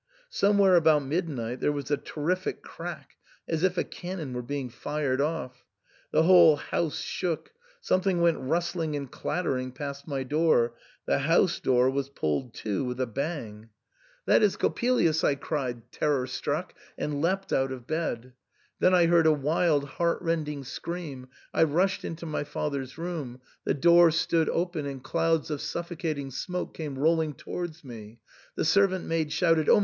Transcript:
Somewhere about midnight there was a terrific crack, as if a cannon were being fired off. The whole house shook ; some thing went rustling and clattering past my door ; the house door Was pulled to with a bang. " That is Cop 1/8 THE SAND'MAN. pelius," I cried, terror struck, and leapt out of bed. Then I heard a wild heartrending scream ; I rushed into my father's room ; the door stood open, and clouds of suffocating smoke came rolling towards me. The servant maid shouted, " Oh